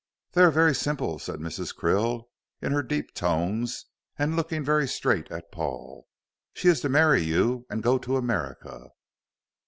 "They are very simple," said Mrs. Krill in her deep tones, and looking very straightly at Paul. "She is to marry you and go to America."